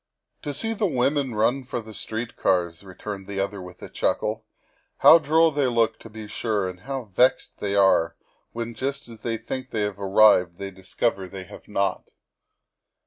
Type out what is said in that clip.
" To see the women run for the street cars," returned the other with a chuckle ;'' how droll they look, to be sure, and how vexed they are when just as they think they have arrived they discover they have not."